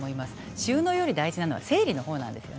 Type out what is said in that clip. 収納より大事なのは整理の方なんです。